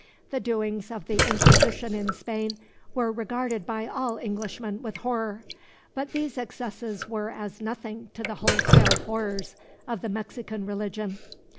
The doings of the Inquisition in Spain were regarded by all Englishmen with horror, but these excesses were as nothing to the wholesale horrors of the Mexican religion.